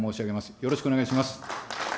よろしくお願いします。